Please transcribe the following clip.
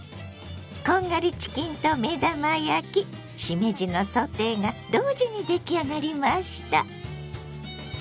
こんがりチキンと目玉焼きしめじのソテーが同時に出来上がりました。